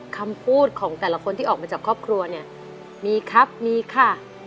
คำพูดของแต่ละคนที่ออกมาจากครอบครัวเนี่ยมีครับมีค่ะ